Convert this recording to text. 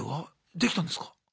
できたんですか？